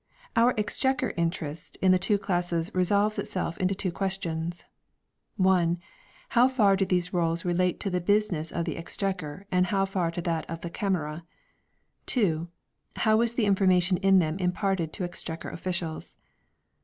Our Exchequer interest in the two classes resolves itself into two questions : 1. How far do these Rolls relate to the business of the Exchequer and how far to that of the " Camera "? 2. How was the information in them imparted to Exchequer officials